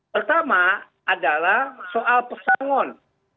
pertama adalah soal pesangon